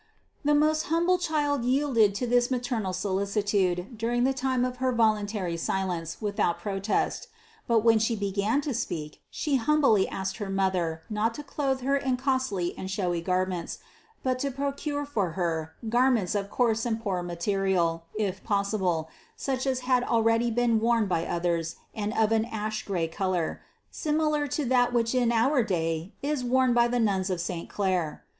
The most humble Child yielded to this maternal solicitude during the time of her voluntary silence with out protest; but when She began to speak, She humbly asked her mother not to clothe Her in costly and showy garments, but to procure for Her garments of coarse and poor material, if possible, such as had already been worn by others and of an ash grey color, similar to that which in our day is worn by the nuns of saint Clare.